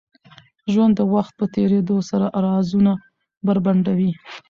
ژوند د وخت په تېرېدو سره رازونه بربنډوي.